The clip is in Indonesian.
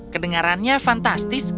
kedengarannya sangat fantastis